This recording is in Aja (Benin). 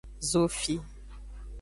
Zofi.